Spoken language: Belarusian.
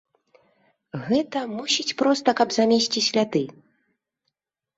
Гэта, мусіць, проста, каб замесці сляды.